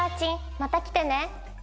また来てね